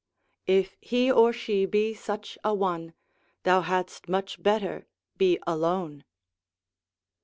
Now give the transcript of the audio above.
If he or she be such a one, Thou hadst much better be alone.